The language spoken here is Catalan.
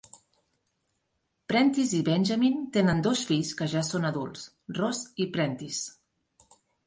Prentiss i Benjamin tenen dos fills que ja són adults, Ross i Prentiss.